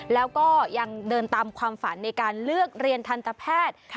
แล้วก็ยังเดินตามความฝันในการเลือกเรียนทันตแพทย์